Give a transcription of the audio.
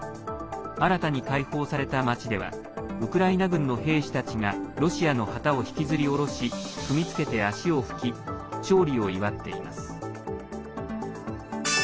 新たに解放された町ではウクライナ軍の兵士たちがロシアの旗を引きずり下ろし踏みつけて足を拭き勝利を祝っています。